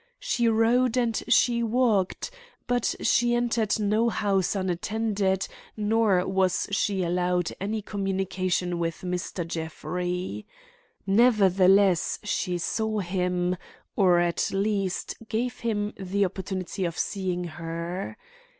She rode and she walked, but she entered no house unattended nor was she allowed any communication with Mr. Jeffrey. Nevertheless she saw him, or at least gave him the opportunity of seeing her.